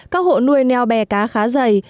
các hộ nuôi neo bè cá khá dày